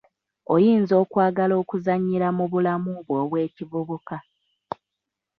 Oyinza okwagala okuzannyira mu bulamu bwo obw'ekivubuka.